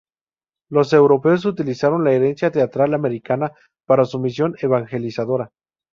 Los europeos utilizaron la herencia teatral americana para su misión evangelizadora.